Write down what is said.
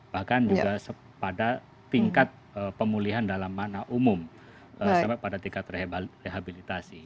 bahkan juga pada tingkat pemulihan dalam mana umum sampai pada tingkat rehabilitasi